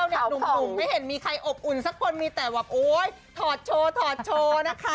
หนุ่มไม่เห็นมีใครอบอุ่นสักคนมีแต่ว่าโอ้ยถอดโชว์นะคะ